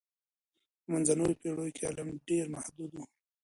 په منځنیو پېړیو کي علم ډېر محدود و.